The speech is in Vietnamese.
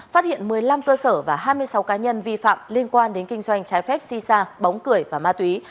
phát hiện một mươi năm cơ sở và hai mươi sáu cá nhân vi phạm liên quan đến kinh doanh trái phép si sa bóng cười và ma túy